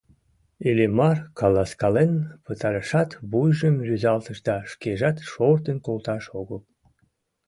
Иллимар каласкален пытарышат, вуйжым рӱзалтыш да, шкежат шортын колташ огыл манын, шып пелештыш: